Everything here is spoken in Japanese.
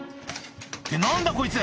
「って何だこいつ！